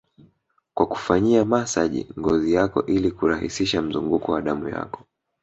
kwa kufanyia masaji ngozi yako ili kurahisisha mzunguko wa damu yako